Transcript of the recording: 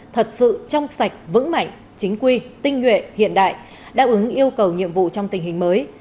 thật sự trong sạch vững mạnh chính quy tinh nguyện hiện đại đáp ứng yêu cầu nhiệm vụ trong tình hình mới